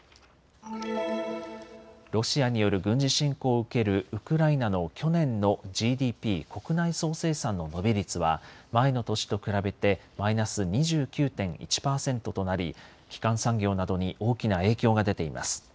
ロシアによる軍事侵攻を受けるウクライナの去年のＧＤＰ・国内総生産の伸び率は前の年と比べてマイナス２９．１％となり基幹産業などに大きな影響が出ています。